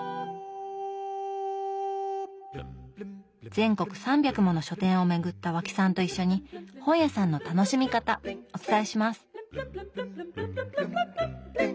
全国３００もの書店を巡った和氣さんと一緒に本屋さんの楽しみ方お伝えします！